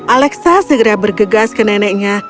alexa segera bergegas ke neneknya